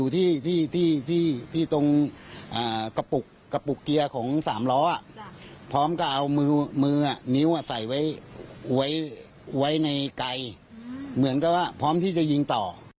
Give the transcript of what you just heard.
ที่ตรงกระปุกเกียร์ของ๓ล้อพร้อมกับเอามือนิ้วใส่ไว้ในไกลเหมือนกับว่าพร้อมที่จะยิงต่อ